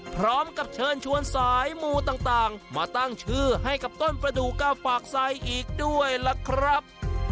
พร้อมกับเชิญชวนสายมูต่างมาตั้งชื่อให้กับต้นประดูกเก้าปากไซอีกด้วยล่ะครับ